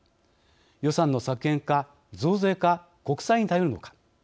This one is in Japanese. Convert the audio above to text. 予算の削減か、増税か国債に頼るのか。